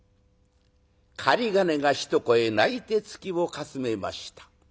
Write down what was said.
雁金が一声鳴いて月をかすめました。